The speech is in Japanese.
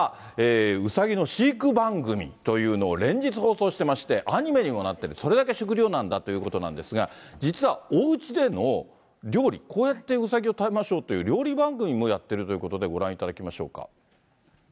うさぎの飼育番組というのを連日放送しておりまして、アニメにもなっている、それだけ食料難だということなんですが、実はおうちでの料理、こうやってうさぎを食べましょうという、料理番組もやっているということで、ご覧いただきましょうか。